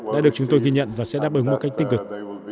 đã được chúng tôi ghi nhận và sẽ đáp ứng một cách tích cực